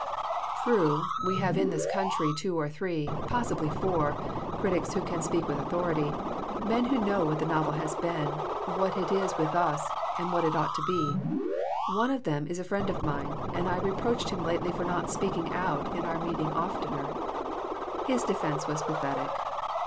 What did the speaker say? "True, we have in this country two or three, possibly four, critics who can speak with au thority, men who know what the novel has been, what it is with us, what it ought to be. One of them is a friend of mine, and I reproached him lately for not speaking out in meeting oftener. "His defense was pathetic.